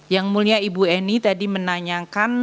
yang mulia ibu eni tadi menanyakan